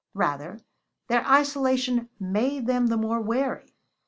Rather, their isolation made them the more wary.